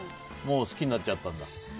もう好きになっちゃったんだ。